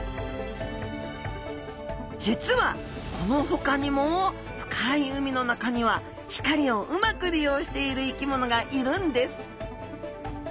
実はこのほかにも深い海の中には光をうまく利用している生き物がいるんです！